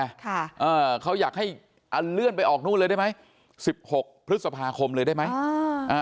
อ่าเขาอยากให้อันเลื่อนไปออกนู่นเลยได้ไหมสิบหกพฤษภาคมเลยได้ไหมอ่าอ่า